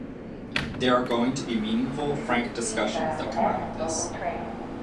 There are going to be meaningful, frank discussions that come out of this.